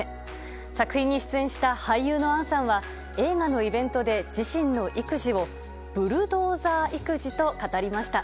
作品に出演した俳優の杏さんは映画のイベントで自身の育児をブルドーザー育児と語りました。